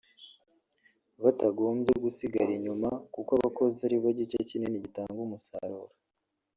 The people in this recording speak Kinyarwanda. batagombye gusigara inyuma kuko abakozi ari bog ice kinini gitanga umusaruro